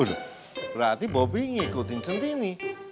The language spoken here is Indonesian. udah berarti bobby ngikutin centini